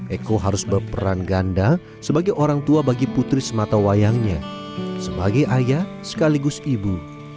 eko harus berperan ganda sebagai orang tua bagi putri sematawayangnya sebagai ayah sekaligus ibu